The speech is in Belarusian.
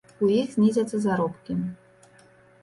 У іх знізяцца заробкі.